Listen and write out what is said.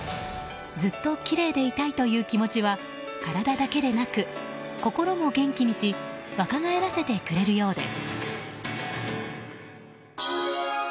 ずっときれいでいたいという気持ちは体だけでなく、心も元気にし若返らせてくれるようです。